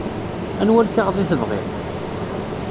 Anwa lkaɣeḍ i tebɣiḍ?